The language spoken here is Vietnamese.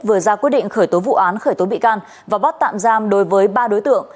vừa ra quyết định khởi tố vụ án khởi tố bị can và bắt tạm giam đối với ba đối tượng